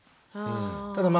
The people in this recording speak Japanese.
ただまあ